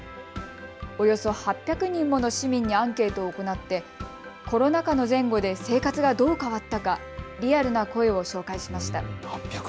およそ８００人もの市民にアンケートを行ってコロナ禍の前後で生活がどう変わったかリアルな声を紹介しました。